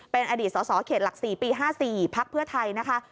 เป็นอดีตสสเขตหลัก๔ปี๕๔พักเพื่อไทยนะคะ